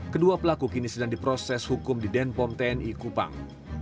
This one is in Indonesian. kedua pelaku kini sedang diproses hukum di denpom tni kupang